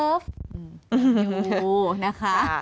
รูนะคะ